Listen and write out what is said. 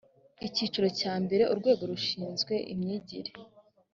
icyiciro cyambere urwego rushinzwe imyigire